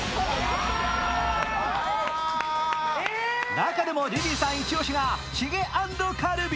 中でもリリーさん一押しはチゲ＆カルビ。